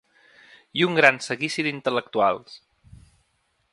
I un gran seguici d’intel·lectuals.